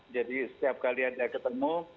jadi setiap kali ada ketemu